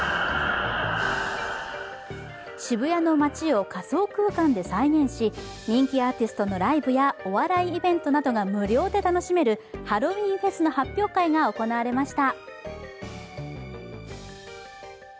渋谷の街を仮想空間で再現し、人気アーティストのライブやお笑いイベントなどが無料で楽しめるハロウィーンフェスの発表会が行われました。